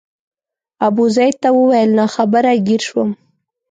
ابوزید ته وویل ناخبره ګیر شوم.